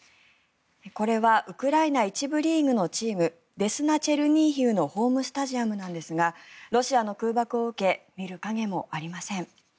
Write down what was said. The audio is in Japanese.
これはウクライナ１部リーグのチームデスナ・チェルニーヒウのホームスタジアムなんですがロシアの空爆を受け見る影もありません。